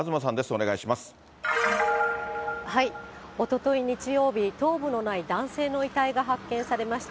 お願いしまおととい日曜日、頭部のない男性の遺体が発見されました